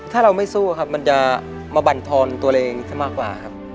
ถ้าเราไม่สู้ครับมันจะมาบรรทอนตัวเองซะมากกว่าครับ